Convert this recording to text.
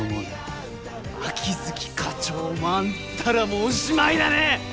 秋月課長もあんたらもおしまいだね！